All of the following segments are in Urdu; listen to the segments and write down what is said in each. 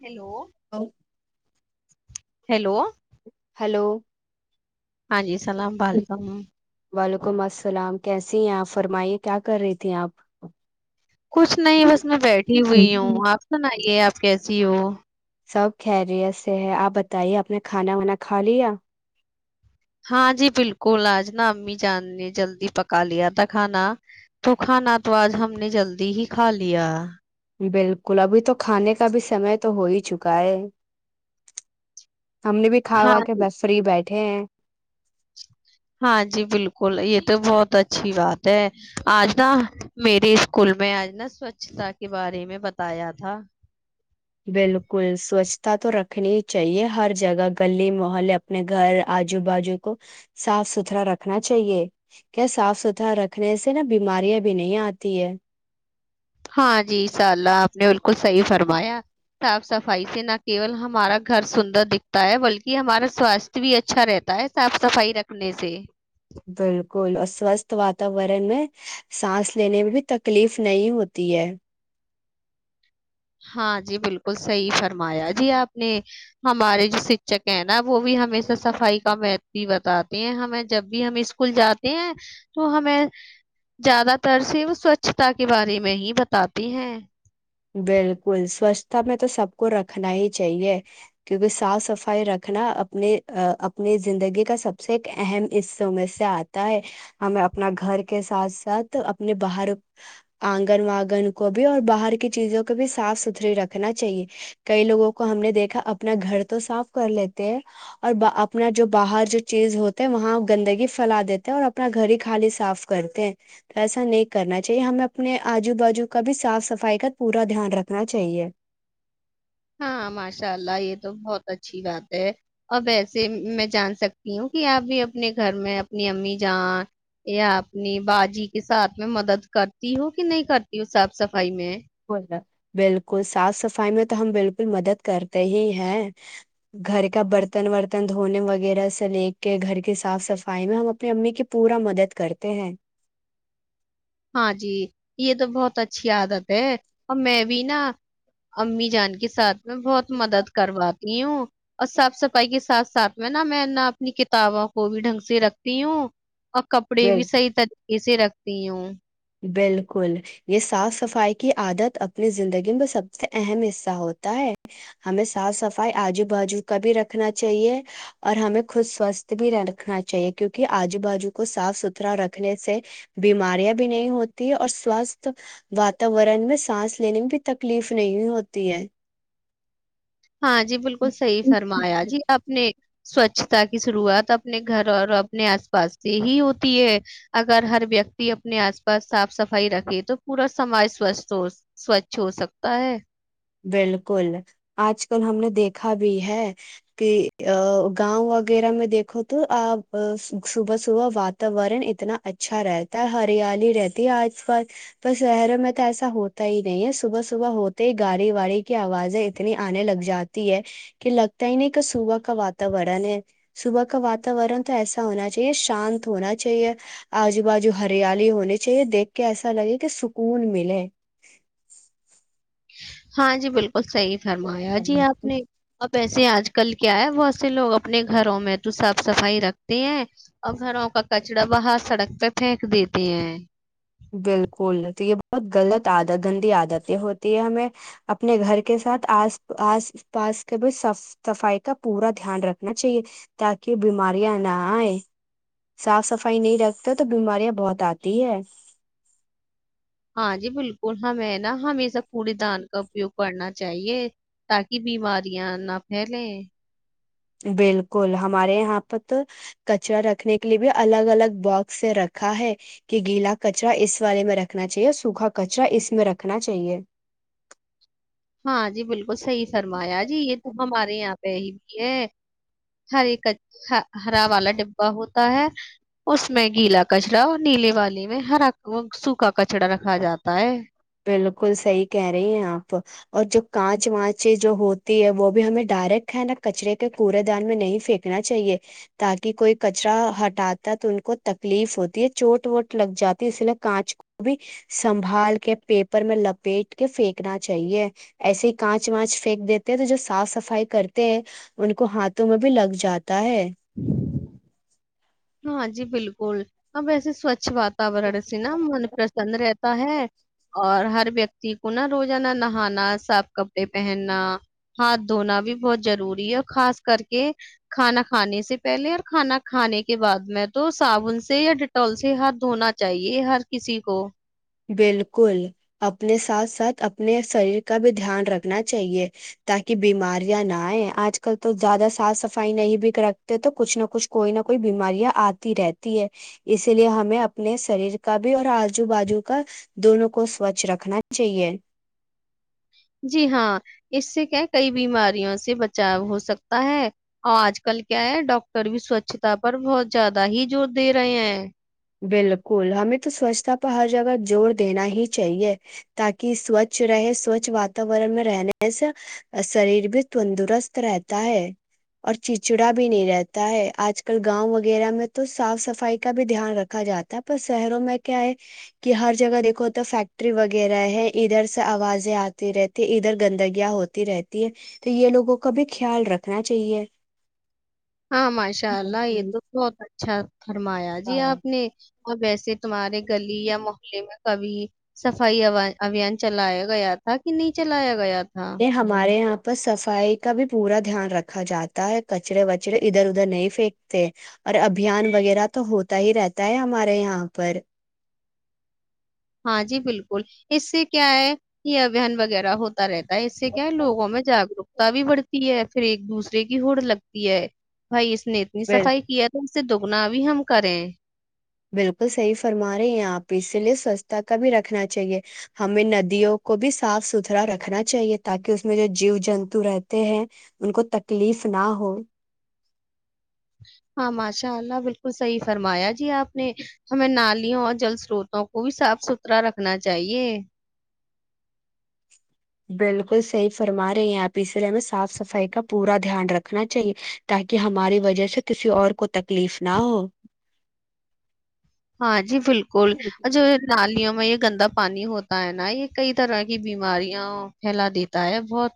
ہیلو اور ہیلو ہلو ہاں جی سلام ولکم وعلیکم السلام کیسی ہیں آپ فرمائیے کیا کر رہی تھی آپ کچھ نہیں بس میں بیٹھی ہوئی ہوں آپ سنئیے آپ کیسی ہو سب خیریت سے ہے آپ بتائیے اپپ نے کھانا وانا کھا لیا ہاں جی بالکل آج نا امی جان نے جلدی پکا لیا تھا کھانا تو کھانا تو آج ہم نے جلدی ہی کھا لیا بالکل ابھی تو کھانے کا بھی سمے تو ہو ہی چکا ہے ہم نے بھی کھا ہاں ہوا کہ جی بس فری بیٹھ ہاں ہاں جی بالکل یہ تو بہت اچھی بات ہے آج نا میرے اسکول میں آج نا سوچھتا کے بارے میں بتایا تھا بالکل سوچھتا تو رکھنی چاہیے ہر جگہ گلی محلے اپنے گھر آجو بجو کو صاف ستھرا رکھنا چاہیے کیا صاف ستھرا رکھنے سے نا بیماریاں بھی نہیں آتی ہے ہاں جی ان شاء اللہ آپ نے بکل کو صحیح فرمایا تو صفائی سے نہ کیول ہمارا گھر سندر دکھتا ہے بلکہ ہمارا سواستھ بھی اچھا رہتا ہے صاف صفائی رکھنے سے بالکل اور سوستھ بات وورن میں سانس لینے میں بھی تکلیف نہیں ہوتی ہے ہاں جی بالکل صحیح فرمایا جی آپ نے ہمارے جو شکشک ہیں نا وہ بھی ہمیشہ صفائی کا مہت بتاتے ہیں ہمیں جب بھی ہم اسکول جاتے ہیں تو ہمیں زیادہ تر سے وہ سوچھتا کے بارے میں ہی بتاتے ہیں بالکل سوچھتا میں تو سب کو رکھنا ہی چاہیے کیونکہ صاف صفائی رکھنا اپنے اپنی زندگی کا سب سے ایک اہم حصوں میں سے آتا ہے ہمیں اپنا گھر کے ساتھ ساتھ اپنے باہر آنگن وانگن کو بھی اور باہر چیزوں کو بھی صاف ستھری رکھنا چاہیے کئی لوگوں کو ہم نے دیکھا اپنا گھر تو صاف کر لیتے ہیں اور اپنا جو باہر جو چیز ہوتے ہے وہاں گندگی پھیلا دیتے اور اپنا گھر ہی خالی صاف کرتے ہیں تو ایسا نہیں کرنا چاہیے ہمیں اپنے آجو بجو کا بھی صاف صفائی کا پورا دھیان رکھنا چاہیے ہاں ماشاء اللہ یہ تو بہت اچھی بات ہے اب ایسے میں جان سکتی ہوں کہ آپ بھی اپنے گھر میں اپنی امی جاں یا اپنی باجی کے ساتھ میں مدد کرتی ہوں کہ نہیں کرتی صاف صفائی میں بول گا بالکل صاف صفائی میں تو ہم بالکل مدد کرتے ہی ہیں گھر کا برتن ورتن دھونے وغیرہ سے لے کے گھر کی صاف صفائی میں ہم اپنی امی کی پورا مدد کرتے ہیں ہاں جی یہ تو بہت اچھی عادت ہے اور میں بھی نا امی جان کے سات میں بہت مدد کرواتا ہوں اور صاف صفائی کے ساتھ ساتھ میں نا میں نہ اپنی کتابوں کو بھی ڈھنگ سے رکھتی ہوں اور کپڑے بھی بل سحی طریح کیے رکھتی ہوں بالکل یہ صاف صفائی کی عادت اپنی زندگی میں سب سے اہم حصہ ہوتا ہے ہمیں صاف صفائی آجو بازو کا بھی رکھنا چاہیے اور ہمیں خود سوستھ بھی رکھنا چاہیے کیونکہ آجو بجو کو صاف ستھرا رکھنے سے بیماریاں نہیں ہوتی ہے اور سوستھ وااتورن میں سانس لینے میں بھی تکلیف نہیں ہوتی ہے ہاں جی بالکل صحی فرمایا جی اپنے سوچھ تہ شروعات اپنے گھر اور ا اپنے آس پاس سے ہی ہوتی ہے اگر ہر ویکتی اپنے آس پاس صاف صفائی رکھے تو پورا سماج سوچھ سوچھ ہو سکتا ہے بالکل آج کل ہم نے دیکھا بھی ہے کہ گاؤں وغیرہ میں دیکھو تو آ صبح صبح واتاورن اتنا اچھا رہتا ہے ہریالی رہتی ہے آج پس شہروں میں تو ایسا ہوتا ہی نہیں ہے صبح صبح ہوتے ہی گاڑی واڑی کی آوازیں اتنی آنے لگ جاتی ہے کہ لگتا ہی نہیں کہ صبح کا واتورن ہے صبح کا واتاورن تو ایسا ہونا چاہیے شانت ہونا چاہیے آجو بجو ہریالی ہونی چاہیے دیکھ کے ایسا لگے کہ سکون ملے ہاں جی بالکل وہ صحیح فرمایا جی آپ نے ویسے آج کل کیا ہے بہت سے لوگ اپنے گھروں میں تو صاف صفائی رکھتے ہیں اور گھروں کا کچرا باہر سڑک پہ پھینک دیتے ہیں بالکل تو یہ بہت غلط عادت گندی عادتیں ہوتی ہے ہمیں اپنے گھر کے ساتھ آ آس پاس کے بھی صاف صفائی کا پورا دھیان رکھنا چاہیے تاکہ بیماریاں نہ آئے صاف صفائی نہیں رکھتے تو بیماریاں بہت آتی ہے ہاں جی بالکل ہیں نا ہمیشہ کوڑی دان کا اپیوگ کرنا چاہیے تاکہ بیماریاں نہ پھیلیں بالکل ہمارے یہاں پر تو کچرا رکھنے کے لیے بھی الگ الگ بااکس سے رکھا ہے کہ گیلا کچرا اس والے میں رکھنا چاہیے سوکھا کچرا اس میں رکھنا چاہیے ہاں جی بالکل صحیح فرمایا جی یہ ت ہمارے یہاں بھی ہے ہر ہرا والا ڈبا ہوتا ہے اس میں گیلا کچڑا اور نیلے والے میں ہرا سوکھا کچڑا رکھا جاتا ہے بالکل صحی کہہ رہی ہیں آپ اور جو کانچ وانچ جو ہوتی ہے وہ بھی ہمیں ڈائریکٹ ہے نا کچرے کے کوڑے دان میں نہیں پھینکنا چاہیے تاکہ کوئی کچرا ہٹاتا ہے تو ان کو تکلیف ہوتی ہے چوٹ ووٹ لگ جاتی اس لیے کانچ کو بھی سنبھال کے پیپر میں لپیٹ کے پھینکنا چاہیے ایسے ہی کانچ وانچ پھینک دیتے ہیں تو جو صاف صفائی کرتے ہیں ان کو ہاتھوں میں بھی لگ جاتا ہے ہاں جی بالکل ا ویسے سچھ واتورن سے نا من پرسن رہتا ہے اور ہر ویکتی کو نہا روزانہ نہانا صاف کپڑے پہننا ہاتھ دھونا بھی بہت ضروری ہے اور خاص کر کے کھانا کھانے سے پہلے اور کھانا کھانے کے کے بعد میں تو صابن سے یا ڈیٹول سے ہاتھ دھونا چاہیے ہر کسی کو بالکل اپنے ساتھ ساتھ اپنے شریر کا بھی دھیان رکھنا چاہیے تاکہ بیماریاں نہ آئے آج کل تو زیادہ صاف صفائی نہیں بھی رکھتے تو کچھ نہ کچھ کوئی نہ کوئی بیماریاں آتی رہتی ہے اسی لیے ہمیں اپنے شریر کا بھی اور آزو بازو کر دونوں کو سوچھ رکھنا چاہیے جی ہاں اس سے کیا کئی بیماریوں سے بچاؤ ہو سکتا ہے اور آج کل کیا ہے ڈاکٹر بھی سوچھتا پر بہت زیادہ ہی زور دے رہے ہیں بالکل ہمیں تو سوچھتا پ ہر جگہ زور دینا ہی چاہیے تاکہ سوچھ رہے سوچھ واتاورن میں رہنے سے شریر بھی تندرست رہتا ہے اور چچڑا بھی نہیں رہتا ہے آج کل گاؤں وغیرہ میں تو صاف صفائی کا بھی دھیان رکھ رکھا جاتا ہے پر شہروں میں کیا ہے کہ ہر جگہ دیکھو تو فیکٹری وغیرہ ہے ادھر سے آوازیں آتی رہتی ہے ادھر گندگیاں ہوتی رہتی ہے تو یہ لوگوں کا بھی خیال رکھنا چاہیے ہاں ماشاء اللہ یہ تو بہت اچھا فرمایا جی آپ نے اور ویسے تمہارے گلی یا محلے میں کبھی صفائی ابھیان چلایا گیا تھا کہ نہیں چلایا گیا تھا ہمارے یہاں پر صفائی کا بھی پورا دھیان رکھا جاتا ہے کچرے وچرے ادھر ادھر نہیں پھینکتے اور ابھیان وغیرہ تو ہوتا ہی رہتا ہے ہمارے یہاں پر ہاں جی بالکل اس سے کیا ہے یہ ابان وغیرہ ہوتا رہتا اس سے کیا ہے لووں میں جاگروک تا بھی بڑھتی ہے پھر ایک دوسرے کی ہوڑ لگتی ہے بھائی اس اس نے اتنی بل صفائی کیا تھا سے دگنا بھی ہم کریں بالکل صحیح فرما رہے ہیں آپ اسی لیے سوچھتا کا بھی رکھنا چاہیے ہمیں ندیوں کو بھی صاف ستھرا رکھنا چاہیے تاکہ اس میں جو جیو جنتو رہتے ہیں ان کو تکلیف نہ ہو ہاں ماشاء اللہ بالکل صحیح فرمایا جی آپ نے ہمیں نالیوں اور جل سروتوں کو بھی صاف ستھرا رکھنا چاہیے بالکل صحیح فرما رہے ہیں آپ اسرے ہمیں صاف صفائی کا پورا دھیان رکھنا چاہیے تاکہ ہماری وجہ سے کسی اور کو تکلیف نہ ہو ہاں جی بالکل اور جو نی میں یہ گندا پانی ہوتا ہے نا یہ کئی طرح کی بیماریاں پھیلا دیتا ہے بہت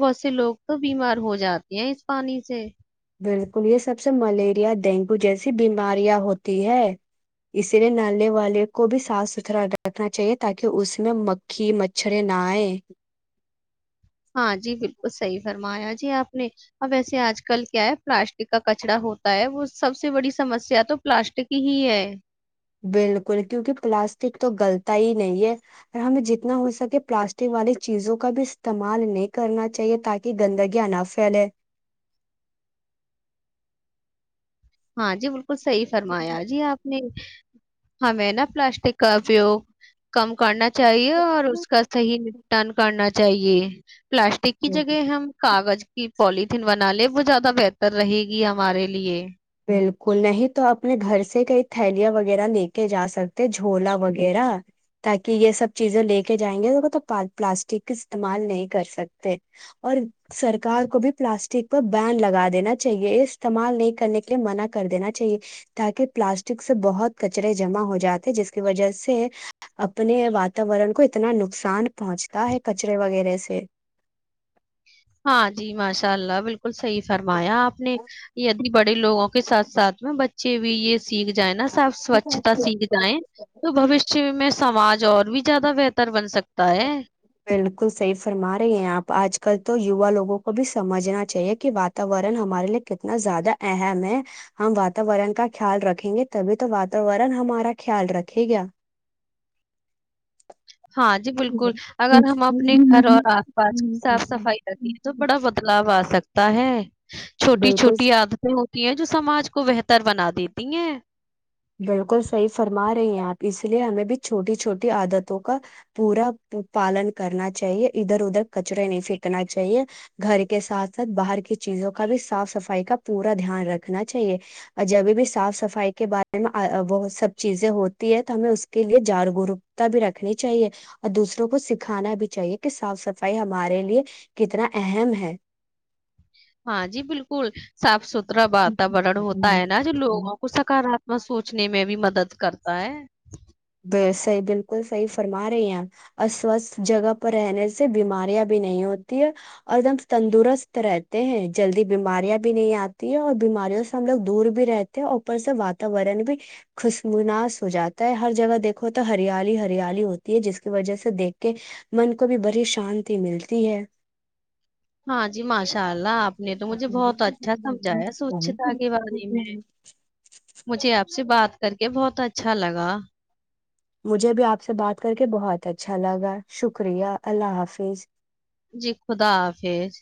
بہت سے لوگ تو بیمار ہو جاتے ہیں اس پانی سے بالکل یہ سب سے ملیریا ڈینگو جیسی بیماریاں ہوتی ہے اسی لیے نالے والے کو بھی صاف ستھرا رکھنا چاہیے تاکہ اس میں مکھی مچھریں نہ آئے ہاں جی بالکل صحیح فرمایا جی آپ نے اب وسے آج کل کیا ہے پلاسٹک کا کچرا ہوتا ہے وہ سب سے بڑی سمسیا تو پلاسٹک ہی ہے بالکل کیونکہ پلاسٹک تو گلتا ہی نہیں ہے ہمیں جتنا ہو سکے پلاسٹک والی چیزوں کا بھی استعمال نہیں کرنا چاہیے تاکہ گندگیاں نہ پھیلے ہاں جی کو صحیح فرمایا جی آپ نے ہم نہا پلاسٹک کاو کم کرنا چاہیے اور اس کا صحیح نپٹان کرنا چاہے پلاسٹک کی جگہ ہم کاغذ کہ پولیتھین بنا لے وہ زیادہ بہتر رہے گی ہمارے لیے بالکل نہیں تو اپنے گھر سے کئی تھیلیاں وغیرہ لے کے جا سکتے جھولا وغیرہ تاکہ یہ سب چیزیں لے کے جائیں گے پلاسٹک استعمال نہیں کر سکتے اور سرکار کو بھی پلاسٹک پر بین لگا دینا چاہیے یہ استعمال نہیں کرنے کے منع کر دینا چاہیے تاکہ پلاسٹک سے بہت کچرے جمع ہو جاتے جس کی وجہ سے اپنے واتاورن کو اتنا نقصان پہنچتا ہے کچرے وغیرہ سے ہاں جی ماشاء اللہ بالکل بالکل صحی فرمایا آپ نے یہ بڑے لوگوں کے ساتھ ساتھ میں بچے بھی یہ سیکھ جائ نا سب سوچھتا سیکھ جائیں تو بوشیہ میں سماج اور بھی زیادہ بہتر بن سکتا ہے بالکل صحیح فرما رہے ہیں آپ آج کل تو یوا لوگوں کو بھی سمجھنا چاہیے کہ واتورن ہمارے لیے کتنا زیادہ اہم ہے ہم واتورن کا خیال رکھیں گے تبھی تو واتورن ہمارا خیال رکھے گا ہاں جی بالکل اگر ہم اپنے گھر اور آس پاس صاف صفائی رکھیںے تو بڑا بدلاؤ آ سکتا تاہ چھوٹی بالکل چھوٹی عادتیں ہیں جو سماج کو بہتر بنا دیتی ہیں بالکل صحیح فرما رہی ہیں آپ اس لیے ہمیں بھی چھوٹی چھوٹی عادتوں کا پورا پالن کرنا چاہیے ادھر ادھر کچرے نہیں پھینکنا چاہیے گھر کے ساتھ ساتھ باہر کی چیزوں کا بھی صاف صفائی کا پورا دھیان رکھنا چاہیے اور جبھی بھی صاف صفائی کے بار وہ سب چیزیں ہوتی ہے تو ہمیں اس کے لیے جاگروکتا بھی رکھنی چاہیے اور دوسروں کو سکھانا بھی چاہیے کہ صاف صفائی ہمارے لیے کتنا اہم ہے ہاں جی بالکل صاف ستھرا واتورن ہوتا ہے نا جو لوگوں کو سکار میں سوچنے میں بھی مدد کرتا ہے صحیح بالکل صحیح فرما رہی ہیں اوروستھ جگہ پر رہنے سے بیماریاں بھی نہیں ہوتی ہے اور دم تندرست رہتے ہیں جلدی بیماریاں بھی نہیں آتی ہے اور بیماریوں سے ہم لوگ دور بھی رہتے ہیں اور اوپر سے واتاورن بھی خوش مناس ہو جاتا ہے ہر جگہ دیکھو تو ہریالی ہریالی ہوتی ہے جس کی وجہ سے دیکھ کے من کو بھی بڑی شانتی ملتی ہے ہاں جی ماشاء اللہ آپ نے تو مجھے بہت اچھا سمجھایا سوچھتا کے بارے میں مجھے آپ سے بات کر کے بہت اچھا لگا مجھے بھی آپ سے بات کر کے بہت اچھا لگا شکریہ اللہ حافظ جی خدا حافظ